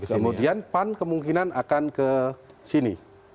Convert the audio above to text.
kemudian pan kemungkinan akan kesini